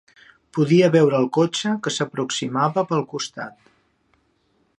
Podia veure el cotxe que s'aproximava pel costat.